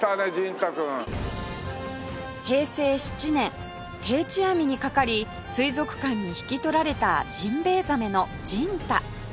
平成７年定置網にかかり水族館に引き取られたジンベエザメのジンタ